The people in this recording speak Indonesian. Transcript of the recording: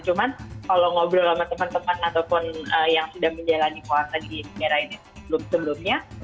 cuman kalau ngobrol sama teman teman ataupun yang sudah menjalani puasa di negara ini sebelumnya